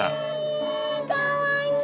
かわいい。